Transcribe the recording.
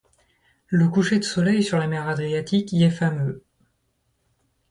Le coucher de soleil sur la mer Adriatique y est fameux.